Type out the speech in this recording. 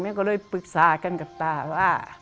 ก็เลยปรึกษากันกับตาว่า